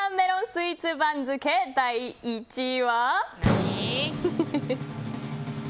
スイーツ番付第１位は。